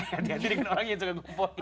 hati hati dengan orang yang suka ngomporin